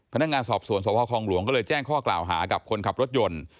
พนักงานสอบสวนสพคลองหลวงก็เลยแจ้งข้อกล่าวหากับคนขับรถยนต์